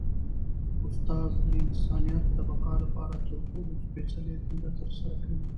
استاد د انسانیت د بقا لپاره تر ټولو سپيڅلي دنده ترسره کوي.